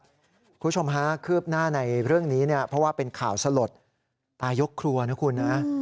คุณผู้ชมฮะคืบหน้าในเรื่องนี้เนี่ยเพราะว่าเป็นข่าวสลดตายกครัวนะคุณนะ